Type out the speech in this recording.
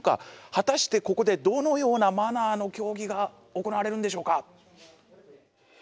果たしてここでどのようなマナーの競技が行われるんでしょうか？